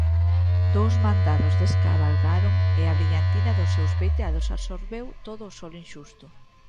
Dous mandados descabalgaron e a brillantina dos seus peiteados absorbeu todo o sol inxusto.